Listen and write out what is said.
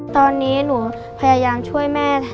ตอนนี้หนูพยายามช่วยแม่